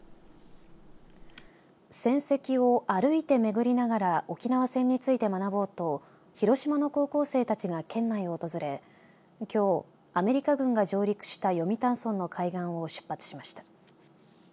戦跡を歩いて巡りながら沖縄戦について学ぼうと広島の高校生たちが県内を訪れきょうアメリカ軍が上陸した読谷村の海岸を出発しました。